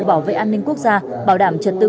bảo vệ an ninh quốc gia bảo đảm trật tự